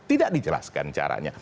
tidak dijelaskan caranya